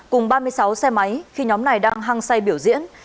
cùng ba mươi sáu xe máy khi nhóm này đang hăng say biểu diễn